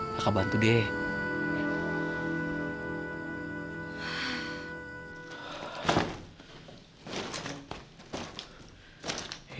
kakak bantu deh